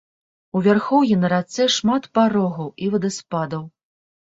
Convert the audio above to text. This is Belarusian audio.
У вярхоўі на рацэ шмат парогаў і вадаспадаў.